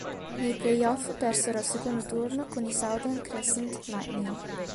Nei play-off persero al secondo turno con i Southern Crescent Lightning.